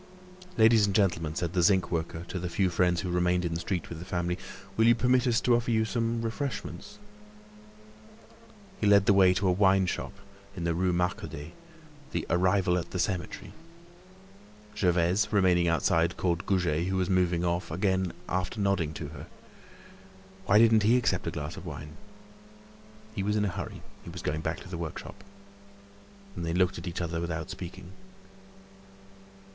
"Ladies and gentlemen," said the zinc worker to the few friends who remained in the street with the family, "will you permit us to offer you some refreshments?" He led the way to a wine shop in the Rue Marcadet, the "Arrival at the Cemetery." Gervaise, remaining outside, called Goujet, who was moving off, after again nodding to her. Why didn't he accept a glass of wine? He was in a hurry; he was going back to the workshop. Then they looked at each other a moment without speaking.